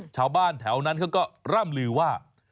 ชาวบ้านแถวนั้นเขาก็ร่ำลือว่า